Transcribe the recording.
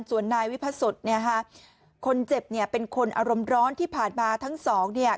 ส่วนนายวิพัสเนี่ยค่ะคนเจ็บเนี่ยเป็นคนอารมณ์ร้อนที่ผ่านมาทั้งสองเนี่ย